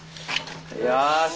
よし！